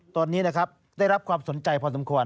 ตอนนี้ได้รับความสนใจพอสมควร